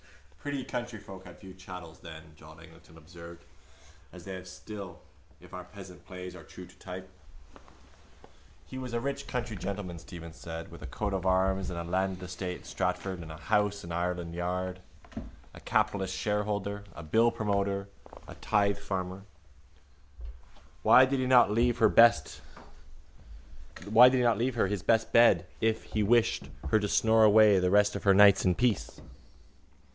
—Pretty countryfolk had few chattels then, John Eglinton observed, as they have still if our peasant plays are true to type. —He was a rich country gentleman, Stephen said, with a coat of arms and landed estate at Stratford and a house in Ireland yard, a capitalist shareholder, a bill promoter, a tithefarmer. Why did he not leave her his best bed if he wished her to snore away the rest of her nights in peace?